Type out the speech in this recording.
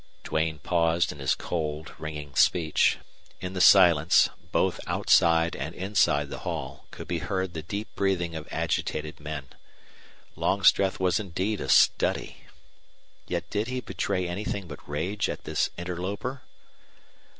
Duane paused in his cold, ringing speech. In the silence, both outside and inside the hall, could be heard the deep breathing of agitated men. Longstreth was indeed a study. Yet did he betray anything but rage at this interloper?